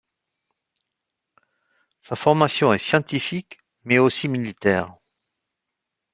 Sa formation est scientifique, mais aussi militaire.